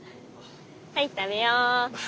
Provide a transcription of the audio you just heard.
はい食べよ。